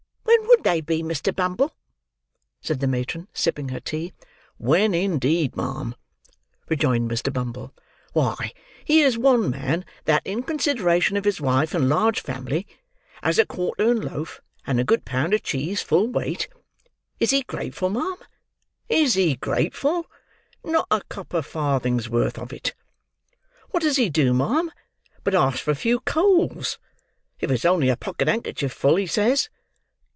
When would they be, Mr. Bumble?" said the matron, sipping her tea. "When, indeed, ma'am!" rejoined Mr. Bumble. "Why here's one man that, in consideration of his wife and large family, has a quartern loaf and a good pound of cheese, full weight. Is he grateful, ma'am? Is he grateful? Not a copper farthing's worth of it! What does he do, ma'am, but ask for a few coals; if it's only a pocket handkerchief full, he says!